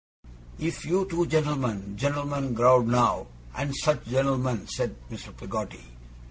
'If you two gent'lmen gent'lmen growed now, and such gent'lmen ' said Mr. Peggotty.